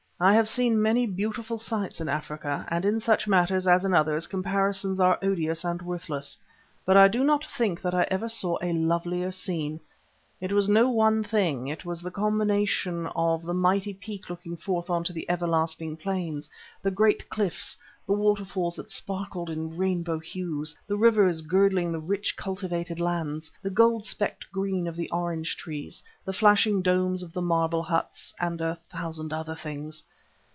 I have seen many beautiful sights in Africa, and in such matters, as in others, comparisons are odious and worthless, but I do not think that I ever saw a lovelier scene. It was no one thing—it was the combination of the mighty peak looking forth on to the everlasting plains, the great cliffs, the waterfalls that sparkled in rainbow hues, the rivers girdling the rich cultivated lands, the gold specked green of the orange trees, the flashing domes of the marble huts, and a thousand other things.